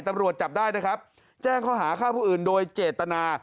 ตำรวจจับได้นะครับแจ้งข้อหาฆ่าผู้อื่นโดยเจตนา